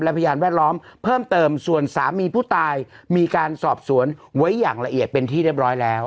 พยานแวดล้อมเพิ่มเติมส่วนสามีผู้ตายมีการสอบสวนไว้อย่างละเอียดเป็นที่เรียบร้อยแล้ว